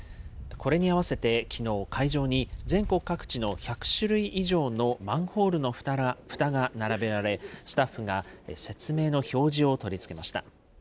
これに合わせて、きのう会場に、全国各地の１００種類以上のマンホールのふたが並べられ、スタッフが説明の表示を取り付けました。